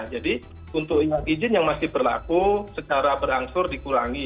untuk izin yang masih berlaku secara berangsur dikurangi